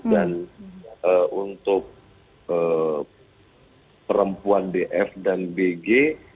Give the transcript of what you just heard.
dan untuk perempuan df dan bg